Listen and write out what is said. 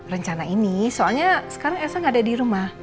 rencana ini soalnya sekarang esa gak ada di rumah